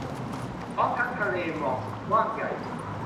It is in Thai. พร้อมทั้งทะเลหมอกสุดกว้างใหญ่